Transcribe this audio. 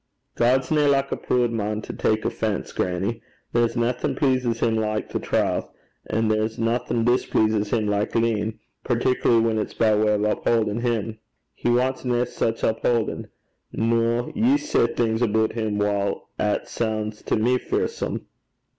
'God's nae like a prood man to tak offence, grannie. There's naething pleases him like the trowth, an' there's naething displeases him like leein', particularly whan it's by way o' uphaudin' him. He wants nae sic uphaudin'. Noo, ye say things aboot him whiles 'at soun's to me fearsome.'